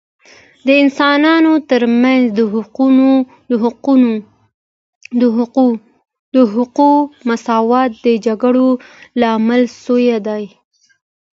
د انسانانو ترمنځ د حقوقو مساوات د جګړو لامل سوی دی